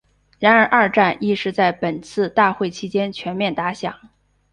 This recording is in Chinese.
然而二战亦是在本次大会期间全面打响。